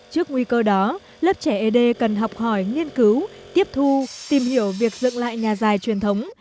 trước nguy cơ đó lớp trẻ ấy đê cần học hỏi nghiên cứu tiếp thu tìm hiểu việc dựng lại nhà dài truyền thống